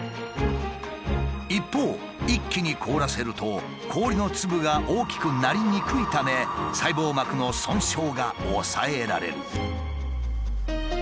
一方一気に凍らせると氷の粒が大きくなりにくいため細胞膜の損傷が抑えられる。